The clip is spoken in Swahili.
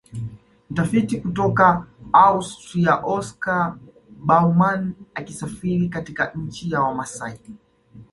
Mtafiti kutoka Austria Oscar Baumann akisafiri katika nchi ya Wamasai